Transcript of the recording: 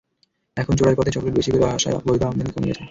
এখন চোরাই পথে চকলেট বেশি করে আসায় বৈধ আমদানি কমে গেছে।